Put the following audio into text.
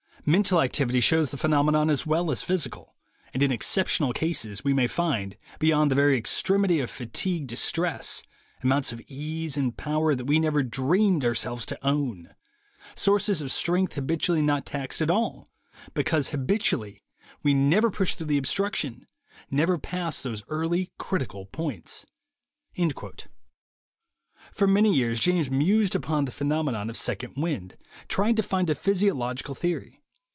Mental activity shows the phenomenon as well as physical, and in exceptional cases we may find, beyond the very extremity of fatigue distress, amounts of ease and power that 1 we never dreamed ourselves to own, — sources of strength habitually not taxed at all, because habitually we never push through the obstruction, never pass those early critical points." For many years James mused upon the phenom enon of second wind, trying to find a physiological theory.